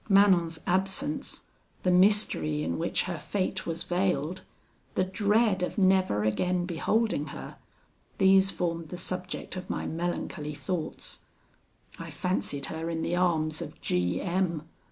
Manon's absence the mystery in which her fate was veiled the dread of never again beholding her; these formed the subject of my melancholy thoughts. I fancied her in the arms of G M